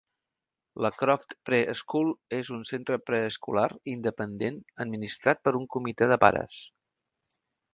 La Croft Pre-School és un centre preescolar independent administrat per un comitè de pares.